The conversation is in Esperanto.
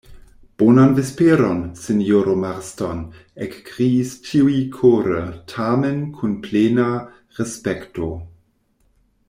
Bonan vesperon, sinjoro Marston, ekkriis ĉiuj kore, tamen kun plena respekto.